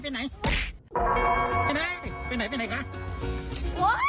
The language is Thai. ไปไหนไปไหนค่ะ